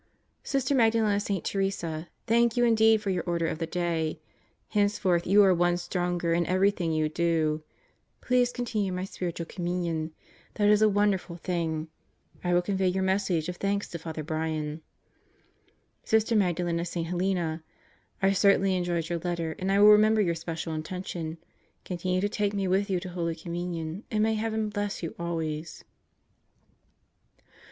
Sister Magdalen of St. Teresa, thank you indeed for your Order of the Day. Henceforth you are one stronger in everything you do. Please continue my Spiritual Communion. That is a wonderful thing. I will convey your message of thanks to Father Brian. Sister Magdalen of St. Helena, I certainly enjoyed your letter and I will remember your special intention. Continue to take me with you to Holy Communion and may heaven bless you always.